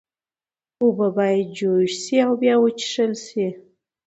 اوبه باید جوش شي او بیا وڅښل شي۔